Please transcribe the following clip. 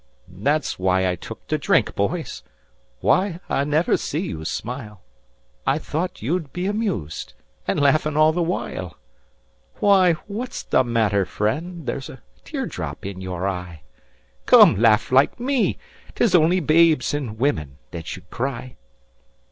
"That's why I took to drink, boys. Why, I never see you smile, I thought you'd be amused, and laughing all the while. Why, what's the matter, friend? There's a tear drop in you eye, Come, laugh like me. 'Tis only babes and women that should cry.